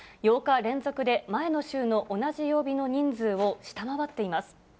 ８日連続で前の週の同じ曜日の人数を下回っています。